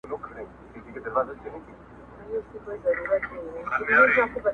د جرگې ټولو ښاغلو موږكانو؛